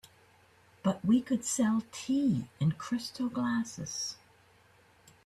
But we could sell tea in crystal glasses.